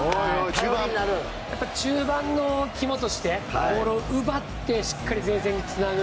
やっぱり中盤の肝としてボールを奪ってしっかり前線につなぐ。